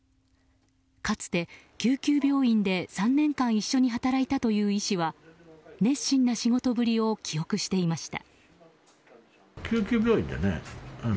かつて、救急病院で３年間一緒に働いたという医師は熱心な仕事ぶりを記憶していました。